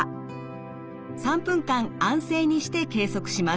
３分間安静にして計測します。